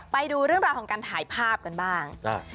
ไปดูเรื่องราวของการถ่ายภาพกันบ้าง